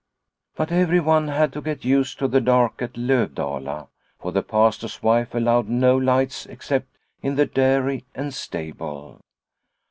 But everyone had to get used to the dark at Lovdala, for the Pastor's wife allowed no lights except in the dairy and stable.